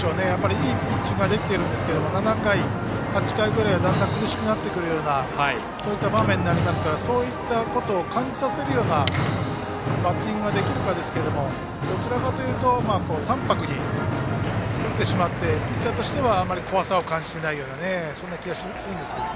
いいピッチングはできているんですけど７回、８回ぐらいはだんだん苦しくなってくるような場面になりますからそういうことを感じさせるようなバッティングができるかですがどちらかというとたんぱくに打ってしまってピッチャーとしてはあまり怖さを感じていないような気がします。